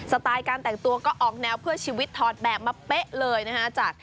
ไตล์การแต่งตัวก็ออกแนวเพื่อชีวิตถอดแบบมาเป๊ะเลยนะฮะจาก